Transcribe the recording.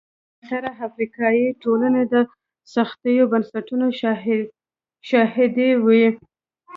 زیاتره افریقایي ټولنې د سختو بنسټونو شاهدې وې.